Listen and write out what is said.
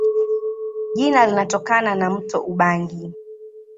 Jina linatokana na mto Ubangi.